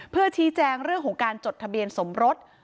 เพื่อชี้แจงเรื่องของการจดทะเบียนสมรส